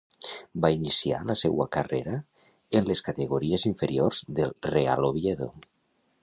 Va iniciar la seua carrera en les categories inferiors del Real Oviedo.